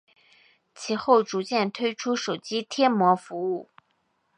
其后逐渐推出手机贴膜服务。